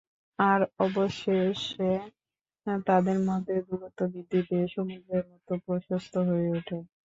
আর অবশেষে, তাদের মধ্যে দূরত্ব বৃদ্ধি পেয়ে সমুদ্রের মতো প্রশস্ত হয়ে ওঠে।